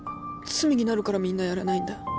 罪になるからみんなやらないんだ。